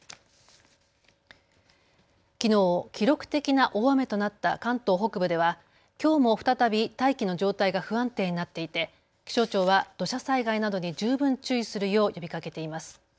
きのう記録的な大雨となった関東北部ではきょうも再び大気の状態が不安定になっていて気象庁は土砂災害などに十分注意するよう呼びかけています。